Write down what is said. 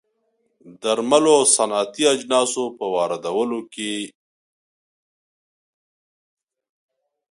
درملو او صنعتي اجناسو په واردولو کې